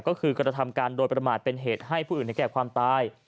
ก็คือกระทำการโดยประมาทเป็นเหตุให้ผู้อื่นถึงแก่ความตาย